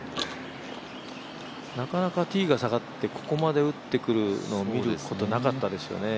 なかなかティーが下がってここまで打ってくるのを見ることはなかったですよね。